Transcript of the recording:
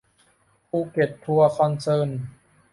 ภูเก็ตทัวร์คอนเซิร์น